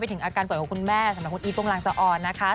ถึงอาการป่วยของคุณแม่สำหรับคุณอีฟุ้งลางจะออนนะคะ